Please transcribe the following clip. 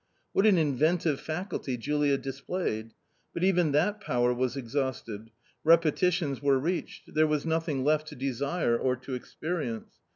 What an inventive faculty Julia displayed ! But even that power was exhausted. Repetitions were reached. There was nothing left to desire or to experience.